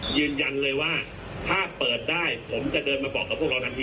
ยืนยันเลยว่าถ้าเปิดได้ผมจะเดินมาบอกกับพวกเราทันที